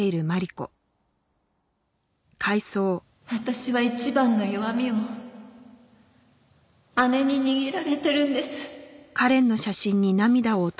私は一番の弱みを姉に握られてるんです。